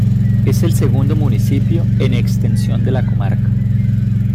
Es el segundo municipio en extensión de la comarca.